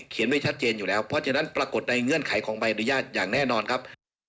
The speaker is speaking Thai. เพราะฉะนั้นปรากฏในเงื่อนไขของใบอนุญาตอย่างแน่นอนครับ